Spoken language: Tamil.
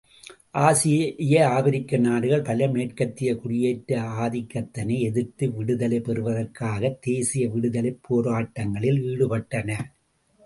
ஆசிய, ஆபிரிக்க நாடுகள் பல, மேற்கத்தைய குடியேற்ற ஆதிககத்தினை எதிர்த்து விடுதலை பெறுவதற்காகத் தேசிய விடுதலைப் போராட்டங்களில் ஈடுபட்டன.